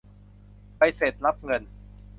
ใบเสร็จรับเงิน